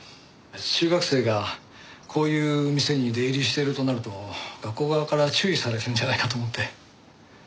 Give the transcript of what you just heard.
中学生がこういう店に出入りしてるとなると学校側から注意されるんじゃないかと思って。